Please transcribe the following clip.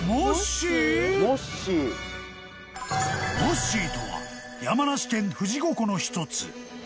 ［モッシーとは山梨県富士五湖の一つ］